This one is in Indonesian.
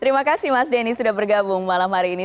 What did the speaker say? terima kasih mas denny sudah bergabung malam hari ini